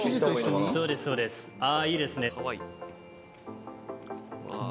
あぁいいですね。